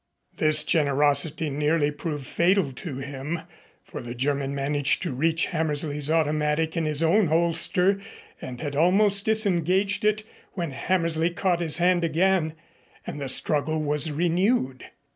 This generosity nearly proved fatal to him for the German managed to reach Hammersley's automatic in his own holster and had almost disengaged it when Hammersley caught his hand again, and the struggle was renewed.